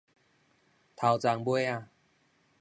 頭鬃尾仔